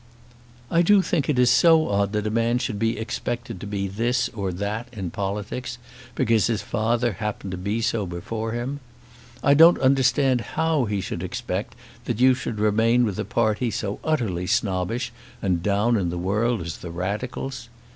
"I do think it is so odd that a man should be expected to be this or that in politics because his father happened to be so before him! I don't understand how he should expect that you should remain with a party so utterly snobbish and down in the world as the Radicals.